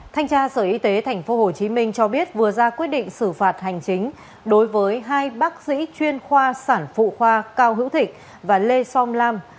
thanh tra sở y tế tp hcm cho biết vừa ra quyết định xử phạt hành chính đối với hai bác sĩ chuyên khoa sản phụ khoa cao hữu thịnh và lê som lam